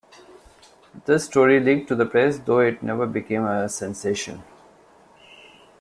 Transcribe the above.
This story leaked to the press, though it never became a sensation.